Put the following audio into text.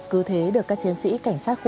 cứ thế được các chiến sĩ cảnh sát khu